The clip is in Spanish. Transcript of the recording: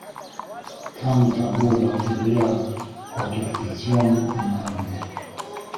Kang ganó la pelea por decisión unánime.